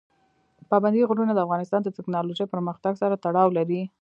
پابندی غرونه د افغانستان د تکنالوژۍ پرمختګ سره تړاو لري.